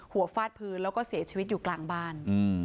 ฟาดพื้นแล้วก็เสียชีวิตอยู่กลางบ้าน